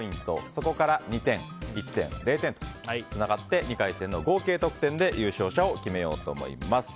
そこから２点、１点、０点とつながって２回戦の合計得点で優勝者を決めようと思います。